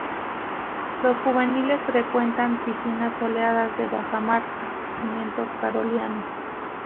Los juveniles frecuentan piscinas soleadas de bajamar con crecimiento coralino.